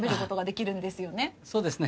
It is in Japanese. そうですね